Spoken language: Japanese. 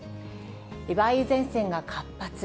梅雨前線が活発。